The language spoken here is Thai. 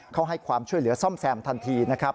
เขาให้ความช่วยเหลือซ่อมแซมทันทีนะครับ